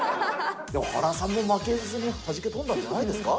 原さんも負けずにはじけ飛んだんじゃないですか。